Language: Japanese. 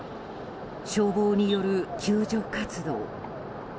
消防による救助活動。